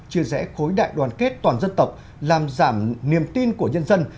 chia rẽ khối đại đoàn kết toàn dân tộc làm giảm niềm tin của nhân dân